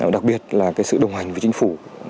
đặc biệt là sự đồng hành với chính phủ